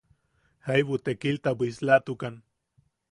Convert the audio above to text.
Jaibu tekilta bwislatukan.